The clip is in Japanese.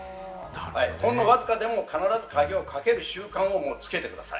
ほんのわずかでも必ず鍵をかける習慣をつけてください。